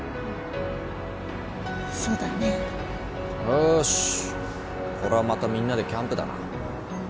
おーっしこれはまたみんなでキャンプだな。